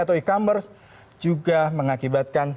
atau e commerce juga mengakibatkan